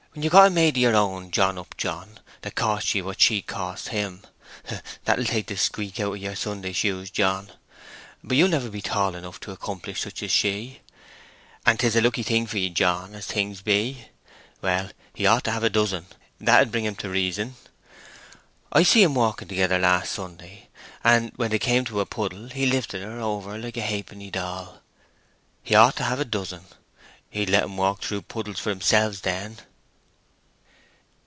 When you've got a maid of yer own, John Upjohn, that costs ye what she costs him, that will take the squeak out of your Sunday shoes, John! But you'll never be tall enough to accomplish such as she; and 'tis a lucky thing for ye, John, as things be. Well, he ought to have a dozen—that would bring him to reason. I see 'em walking together last Sunday, and when they came to a puddle he lifted her over like a halfpenny doll. He ought to have a dozen; he'd let 'em walk through puddles for themselves then."